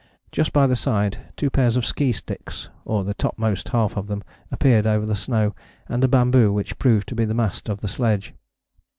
Just by the side two pairs of ski sticks, or the topmost half of them, appeared over the snow, and a bamboo which proved to be the mast of the sledge.